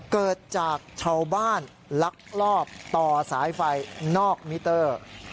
เกิดจากชาวบ้านลักลอบต่อสายไฟนอกมิเตอร์